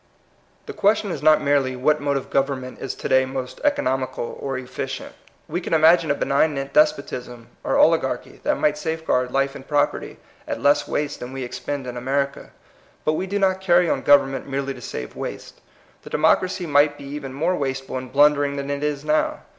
The question is not merely what mode of government is to day most economical or efficient. We could imagine a benig nant despotism or oligarchy that might safeguard life and property at leas waste than we expend in America. But we do not carry on government merely to save waste. The democracy might be even more wasteful and blundering than it is now.